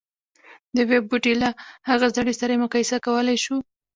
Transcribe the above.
د يوه بوټي له هغه زړي سره يې مقايسه کولای شو.